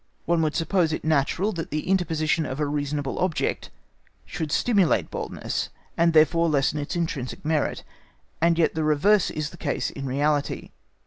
One would suppose it natural that the interposition of a reasonable object should stimulate boldness, and therefore lessen its intrinsic merit, and yet the reverse is the case in reality.